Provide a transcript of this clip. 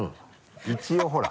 一応ほら。